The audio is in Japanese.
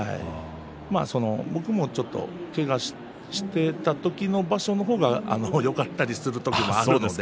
僕もちょっとけがしていた時の場所の方がよかったりする時もあるので。